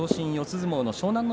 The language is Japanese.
相撲、湘南乃